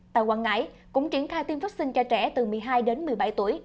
tại quảng ngãi cũng triển khai tiêm vaccine cho trẻ từ một mươi hai đến một mươi bảy tuổi